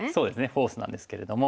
フォースなんですけれども。